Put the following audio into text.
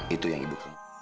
itu yang ibu